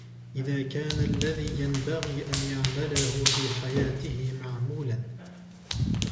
إذَا كَانَ الَّذِي يَنْبَغِي أَنْ يَعْمَلَهُ فِي حَيَاتِهِ مَعْمُولًا